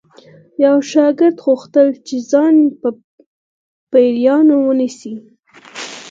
یو شاګرد غوښتل چې ځان په پیریانو ونیسي